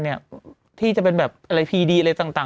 ก็นี่ไงที่จะไปนี่แหละ